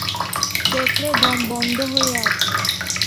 দেখলে দম বন্ধ হয়ে আসে।